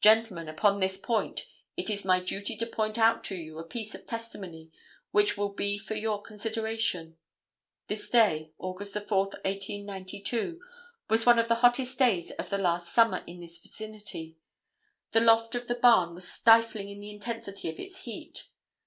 Gentlemen, upon this point it is my duty to point out to you a piece of testimony which will be for your consideration. This day, August 4, 1892, was one of the hottest days of the last summer in this vicinity. The loft of the barn was stifling in the intensity of its heat.